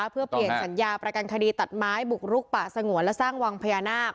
เพื่อเปลี่ยนสัญญาประกันคดีตัดไม้บุกรุกป่าสงวนและสร้างวังพญานาค